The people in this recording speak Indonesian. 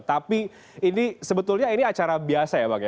tapi ini sebetulnya ini acara biasa ya bang ya